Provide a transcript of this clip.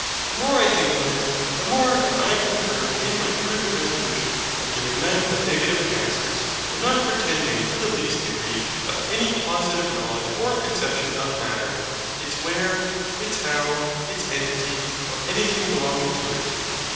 The more I think on it, the more am I confirmed in my prudent resolution of giving none but negative answers, and not pretending to the least degree of any positive knowledge or conception of Matter, its WHERE, its HOW, its ENTITY, or anything belonging to it.